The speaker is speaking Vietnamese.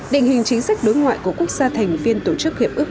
định hình chính sách đối ngoại của quốc gia thành viên tổ chức hiệp ước